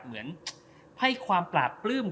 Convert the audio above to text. เหมือนความปลาปลื้ม